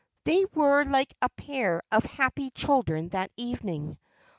They were like a pair of happy children that evening.